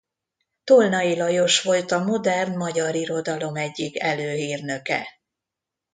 Tolnai Lajos volt a modern magyar irodalom egyik előhírnöke.